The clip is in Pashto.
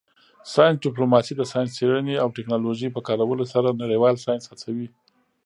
ساینس ډیپلوماسي د ساینسي څیړنې او ټیکنالوژۍ په کارولو سره نړیوال ساینس هڅوي